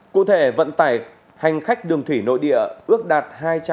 cụ thể vận tải hành khách đường thủy nội địa ước đạt hai trăm hai mươi một năm